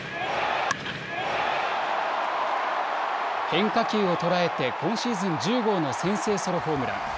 変化球を捉えて今シーズン１０号の先制ソロホームラン。